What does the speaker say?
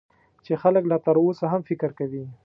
چې خلک لا تر اوسه هم فکر کوي .